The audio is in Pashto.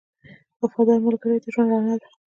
• وفادار ملګری د ژوند رڼا ده.